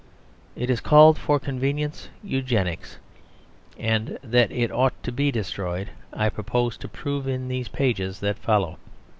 It is called for convenience "Eugenics"; and that it ought to be destroyed I propose to prove in the pages that follow.